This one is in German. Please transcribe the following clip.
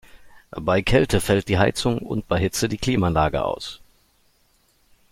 Bei Kälte fällt die Heizung und bei Hitze die Klimaanlage aus.